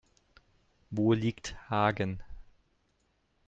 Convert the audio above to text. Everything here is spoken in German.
Wo liegt Hagen?